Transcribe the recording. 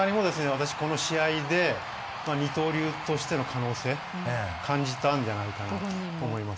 私この試合で二刀流としての可能性感じたんじゃないかなと思いますよね。